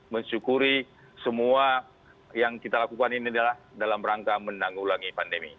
mensyukuri semua yang kita lakukan ini adalah dalam rangka menanggulangi pandemi